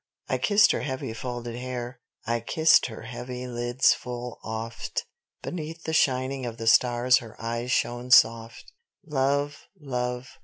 I kissed her heavy, folded hair. I kissed her heavy lids full oft; Beneath the shining of the stars her eyes shone soft. "Love, Love!"